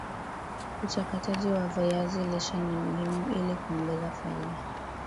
uchakataji wa viazi lishe ni muhimu ili kuongeza faida